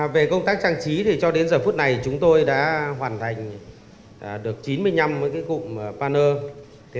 về công tác trang trí thì cho đến giờ phút này chúng tôi đã hoàn thành được chín mươi năm mấy cái cụm banner